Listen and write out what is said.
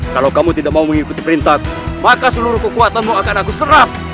kalau kamu tidak mau mengikuti perintah maka seluruh kekuatanmu akan aku serap